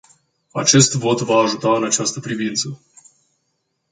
Acest vot va ajuta în această privință.